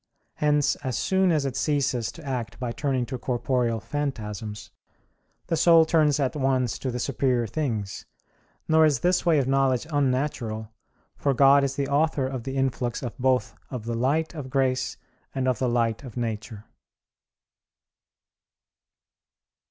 Hence as soon as it ceases to act by turning to corporeal (phantasms), the soul turns at once to the superior things; nor is this way of knowledge unnatural, for God is the author of the influx of both of the light of grace and of the light of nature.